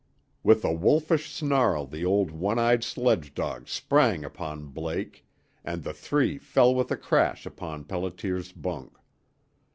With a wolfish snarl the old one eyed sledge dog sprang upon Blake, and the three fell with a crash upon Pelliter's bunk.